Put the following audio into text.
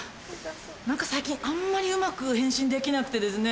何か最近あんまりうまく変身できなくてですね。